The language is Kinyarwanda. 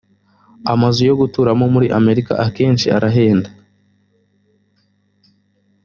amazu yo guturamo muri amerika akenshi arahenda